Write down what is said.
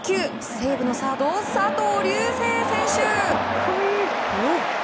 西武のサード、佐藤龍世選手。